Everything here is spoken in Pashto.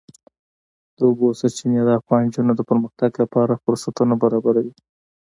د اوبو سرچینې د افغان نجونو د پرمختګ لپاره فرصتونه برابروي.